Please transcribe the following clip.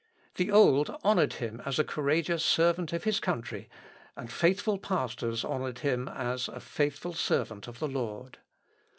The old honoured him as a courageous servant of his country, and faithful pastors honoured him as a faithful servant of the Lord.